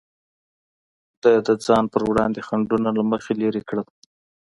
ده د ځان پر وړاندې خنډونه له مخې لرې کړل.